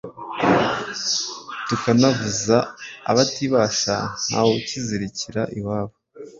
Tukanavuza abatibasha Ntawukizirikira iwabo